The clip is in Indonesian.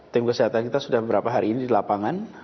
tim kesehatan kita sudah beberapa hari ini di lapangan